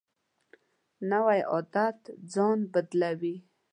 نوی عادت ځان بدلوي